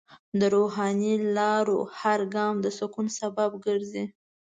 د روحاني لارو هر ګام د سکون سبب ګرځي.